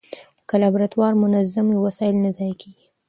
که لابراتوار منظم وي، وسایل نه ضایع کېږي.